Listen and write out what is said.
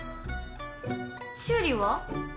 修理は？